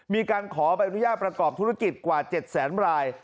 มีการขออนุญาตประกอบธุรกิจกว่า๗๐๐๐๐๐บราย